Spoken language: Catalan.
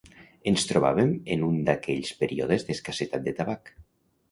Ens trobàvem en un d'aquells períodes d'escassetat de tabac